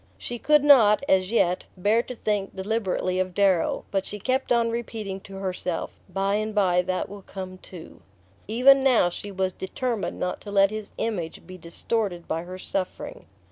She could not, as yet, bear to think deliberately of Darrow; but she kept on repeating to herself "By and bye that will come too." Even now she was determined not to let his image be distorted by her suffering.